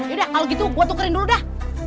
udah kalau gitu gue tukerin dulu dah